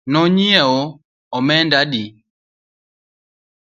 No nyiewo omenda adi